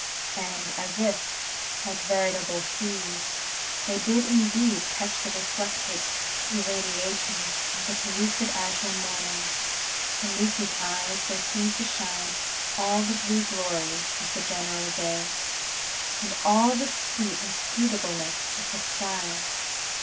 And as if, like veritable seas, they did indeed catch the reflected irradiations of that pellucid azure morning; in Lucy's eyes, there seemed to shine all the blue glory of the general day, and all the sweet inscrutableness of the sky.